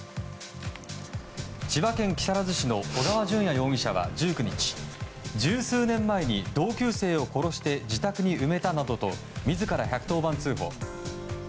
千葉県木更津市の小川順也容疑者は１９日十数年前に同級生を殺して自宅に埋めたなどと自ら１１０番通報。